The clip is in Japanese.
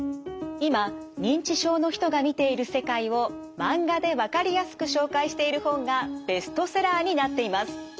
今認知症の人が見ている世界をマンガでわかりやすく紹介している本がベストセラーになっています。